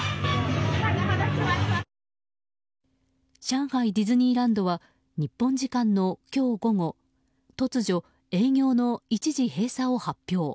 上海ディズニーランドは日本時間の今日午後突如、営業の一時閉鎖を発表。